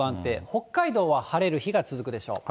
北海道は晴れる日が続くでしょう。